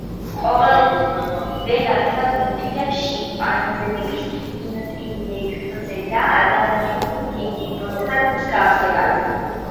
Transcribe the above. ყოველივე ნათლად მიუთითებს შიმპანზეების ინტელექტზე და ადამიანურ გენებთან მსგავსებას.